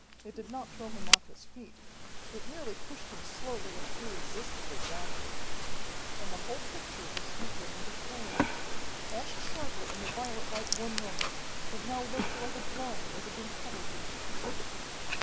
It did not throw him off his feet. It merely pushed him slowly and irresistibly backward. And the whole picture was beginning to fade. Etched sharply in the violet light one moment, it now looked like a drawing that had been covered with tissue paper.